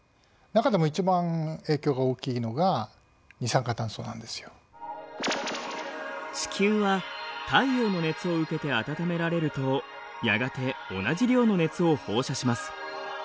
酸素とかが大部分なんですけども地球は太陽の熱を受けて温められるとやがて同じ量の熱を放射します。